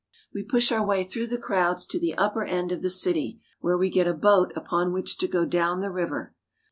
We push our way through the crowds to the upper end of the city, where we get a boat upon which to go down the river.